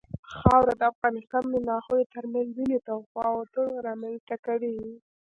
خاوره د افغانستان د ناحیو ترمنځ ځینې تفاوتونه رامنځ ته کوي.